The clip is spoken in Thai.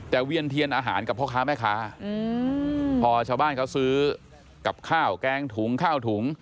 แต่เวียนเทียนอาหารกับพ่อค้าแม่ค้าพอชาวบ้านเขาซื้อกับข้าวแกงถุงข้าวถุง